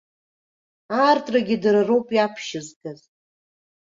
Аартрагьы дара роуп иаԥшьызгаз.